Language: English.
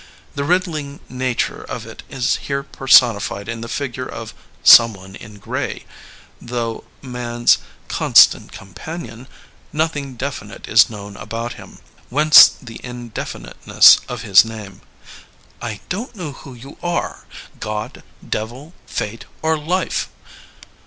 The riddling nature of it is here personified in the figure of Someone in Gray. Though Man's constant companion,'' noth ing definite is known about him — Whence the indefi niteness of his name. I don't know who you are, God, Devil, Fate or Life!"